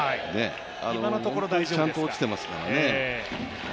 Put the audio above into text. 本当にちゃんと落ちてますからね。